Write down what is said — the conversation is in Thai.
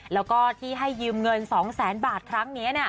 แล้วก็ที่ให้ยืมเงิน๒แสนบาทครั้งนี้